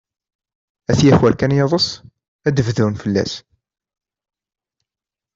Ad t-yaker kan yiḍes, ad d-bdun fell-as.